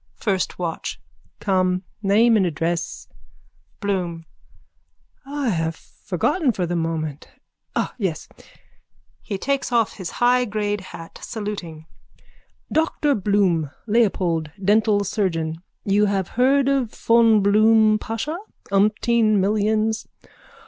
FIRST WATCH: Come. Name and address. BLOOM: I have forgotten for the moment. Ah, yes! (He takes off his high grade hat, saluting.) Dr Bloom, Leopold, dental surgeon. You have heard of von Blum Pasha. Umpteen millions.